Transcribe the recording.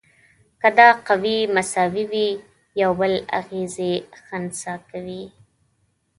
که دا قوې مساوي وي یو بل اغیزې خنثی کوي.